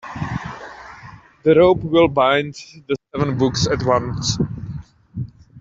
The rope will bind the seven books at once.